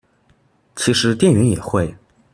其實店員也會